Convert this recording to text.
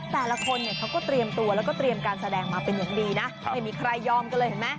แต่ละคนเนี่ยเขาก็เตรียมตัวแล้วก็เตรียมการแสดงมาเป็นอย่างดีนะไม่มีใครยอมกันเลยเห็นไหม